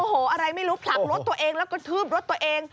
โอ้โหอะไรไม่รู้ผลักรถตัวเองแล้วก็ทืบรถตัวเอง